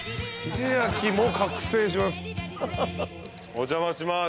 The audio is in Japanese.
お邪魔します。